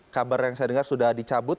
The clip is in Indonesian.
kabar yang saya dengar sudah dicabut